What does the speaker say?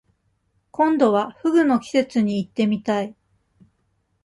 今度は、河豚の季節に行ってみたい。